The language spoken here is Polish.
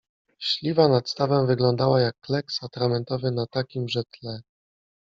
Śliwa nad stawem wyglądała jak kleks atramentowy na takimże tle.